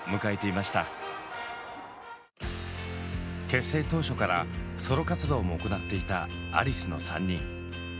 結成当初からソロ活動も行っていたアリスの３人。